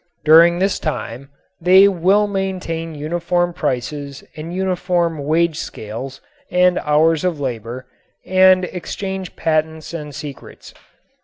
During this time they will maintain uniform prices and uniform wage scales and hours of labor, and exchange patents and secrets.